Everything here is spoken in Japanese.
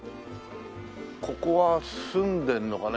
ここは住んでるのかな？